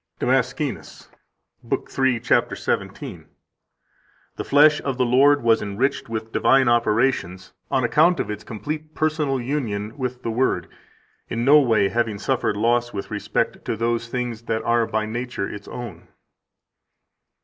161 DAMASCENUS, lib. 3, cap. 17: "The flesh of the Lord was enriched with divine operations on account of its complete personal union with the Word, in no way having suffered loss with respect to those things that are by nature its own."